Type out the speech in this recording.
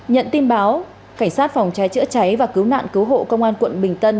nhận tin báo cảnh sát phòng cháy chữa cháy và cứu nạn cứu hộ công an quận bình tân